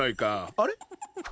あれ？